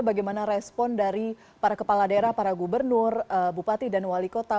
bagaimana respon dari para kepala daerah para gubernur bupati dan wali kota